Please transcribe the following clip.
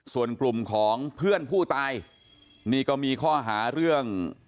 ส่วนกลุ่มของเพื่อนผู้ตายนี่ก็มีข้อหาเรื่อง